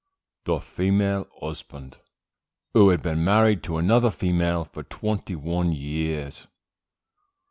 THE FEMALE HUSBAND, WHO HAD BEEN MARRIED TO ANOTHER FEMALE FOR TWENTY ONE YEARS.